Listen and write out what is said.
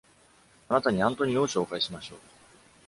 あなたにアントニオを紹介しましょう。